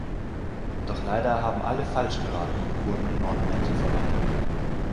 Doch leider haben alle falsch geraten und wurden in Ornamente verwandelt.